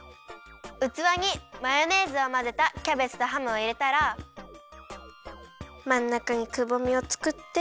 うつわにマヨネーズをまぜたキャベツとハムをいれたらまんなかにくぼみをつくって。